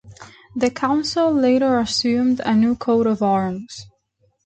The council later assumed a new coat of arms.